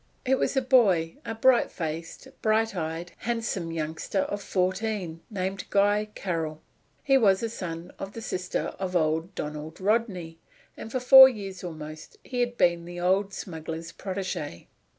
It was a boy a bright faced, bright eyed, handsome youngster of fourteen, named Guy Carrol. He was son of a sister of old Donald Rodney, and for four years almost, he had been the old smuggler's protégé.